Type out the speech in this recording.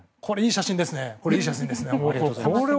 いい写真ですね、これ。